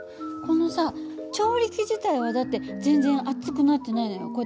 このさ調理器自体はだって全然熱くなってないのよ。